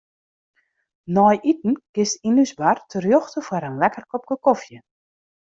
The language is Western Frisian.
Nei iten kinst yn ús bar terjochte foar in lekker kopke kofje.